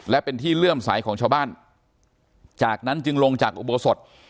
และเป็นที่เลื่อมใสของชาวบ้านจากนั้นจึงลงจากอุโบสถ